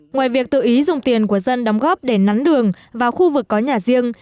ngoài việc tự ý dùng tiền của dân đóng góp để nắn đường vào khu vực có nhà riêng